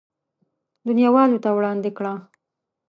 دنياوالو ته وړاندې کړه.